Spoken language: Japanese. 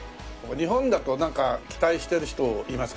日本だとなんか期待してる人いますか？